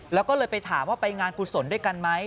แล้วก็เลยไปถามว่าไปงานกุศลด้วยกันไหม